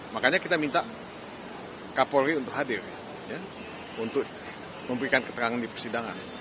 makanya kita minta kapolri untuk hadir untuk memberikan keterangan di persidangan